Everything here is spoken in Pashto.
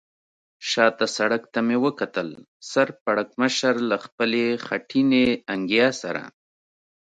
شا ته سړک ته مې وکتل، سر پړکمشر له خپلې خټینې انګیا سره.